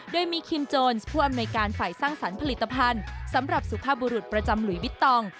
โดยมีคิมโจรผู้อำนวยการฝ่ายสร้างสรรค์ผลิตภัณฑ์สำหรับสุภาพบุรุษประจำหลุยบิตตอง